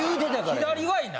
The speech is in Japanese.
左はいな？